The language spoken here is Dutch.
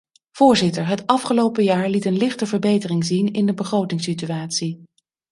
Voorzitter, het afgelopen jaar liet een lichte verbetering zien in de begrotingssituatie.